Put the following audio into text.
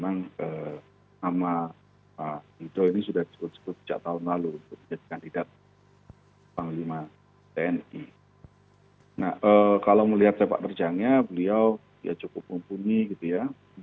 nah kalau melihat sepak terjangnya beliau ya cukup mumpuni gitu ya